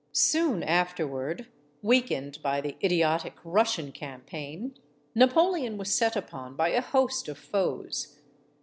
Soon afterward, weakened by the idiotic Russian campaign, Napoleon was set upon by a host of foes.